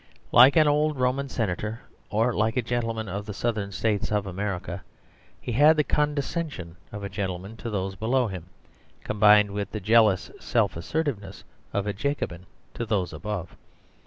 Like an old Roman senator, or like a gentleman of the Southern States of America, he had the condescension of a gentleman to those below him, combined with the jealous self assertiveness of a Jacobin to those above.